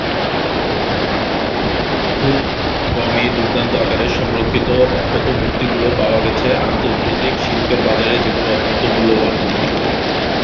খুব কমই দুর্দান্ত আকারের সংরক্ষিত অক্ষত মূর্তিগুলি পাওয়া গেছে, আন্তর্জাতিক শিল্পের বাজারে যেগুলো অত্যন্ত মূল্যবান।